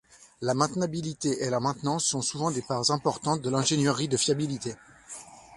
La maintenabilité et la maintenance sont souvent des parts importantes de l'ingénierie de fiabilité.